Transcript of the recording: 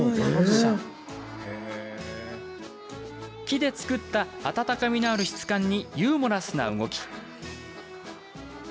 木で作った、温かみのある質感にユーモラスな動き。